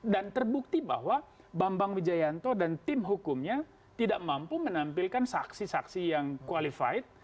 dan terbukti bahwa bambang wijayanto dan tim hukumnya tidak mampu menampilkan saksi saksi yang qualified